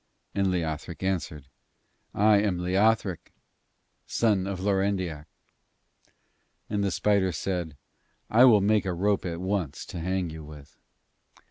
And Leothric answered: 'I am Leothric, son of Lorendiac.' And the spider said: 'I will make a rope at once to hang you with.'